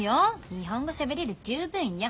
日本語しゃべれりゃ十分よ。